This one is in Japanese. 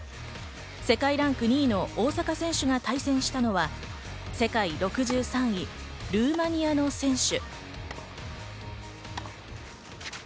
世界ランク２位の大坂選手が対戦したのは世界６３位、ルーマニアの選手。